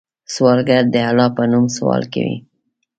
سوالګر د الله په نوم سوال کوي